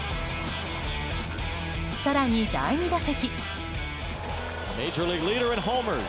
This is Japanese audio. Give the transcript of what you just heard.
更に第２打席。